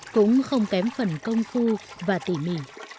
cũng không kém phần công phu và tỉ mỉ